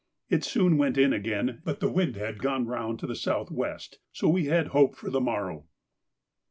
It soon went in again, but the wind had gone round to the south west, so we had hope for the morrow.